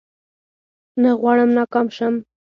نه غواړم ناکام شم